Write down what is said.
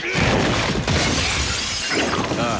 ああ。